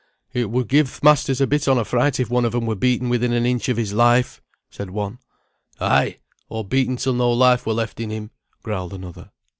"It would give th' masters a bit on a fright if one on them were beaten within an inch of his life," said one. "Ay! or beaten till no life were left in him," growled another.